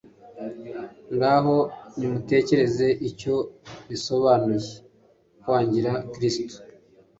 Ngaho nimutekereze icyo bisobanuye kwangira Kristo!